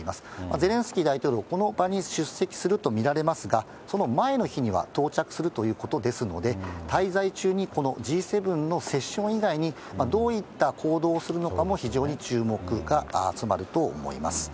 ゼレンスキー大統領、この場に出席すると見られますが、その前の日には到着するということですので、滞在中にこのＧ７のセッション以外に、どういった行動をするのかも非常に注目が集まると思います。